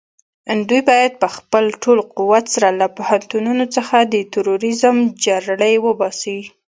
دوی بايد په خپل ټول قوت سره له پوهنتونونو څخه د تروريزم جرړې وباسي.